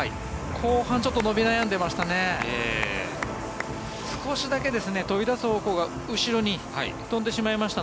後半ちょっと伸び悩んでました。